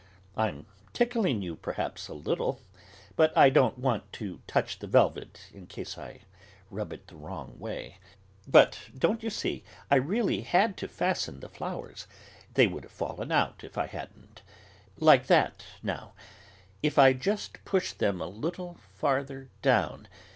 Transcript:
I'm tickling you, perhaps, a little; but I don't want to touch the velvet in case I rub it the wrong way. But, don't you see, I really had to fasten the flowers; they would have fallen out if I hadn't. Like that, now; if I just push them a little farther down....